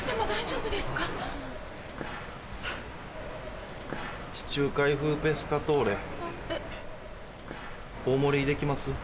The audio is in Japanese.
大盛りできます？